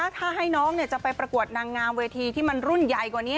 ถ้าให้น้องจะไปประกวดนางงามเวทีที่มันรุ่นใหญ่กว่านี้